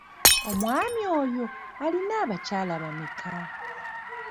Omwami oyo alina abakyala bameka?